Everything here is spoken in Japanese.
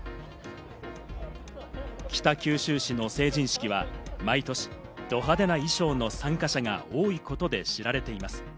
北九州市の成人式は毎年、ド派手な衣装の参加者が多いことで知られています。